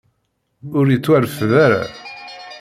Ur yettwarfed ara.